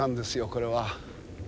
これは。